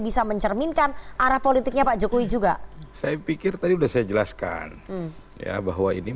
bisa mencerminkan arah politiknya pak jokowi juga saya pikir tadi udah saya jelaskan ya bahwa ini